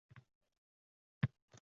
Ko‘chada sayr qilayotib edim.